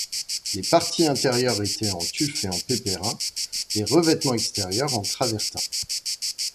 Les parties intérieures étaient en tuf et en pépérin, les revêtements extérieurs en travertin.